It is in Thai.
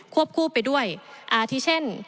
วบคู่ไปด้วยอาทิเช่น